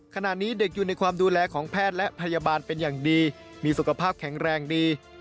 ขณะนี้เด็กอยู่ในความดูแลของแพทย์และพยาบาลเป็นอย่างดีมีสุขภาพแข็งแรงดี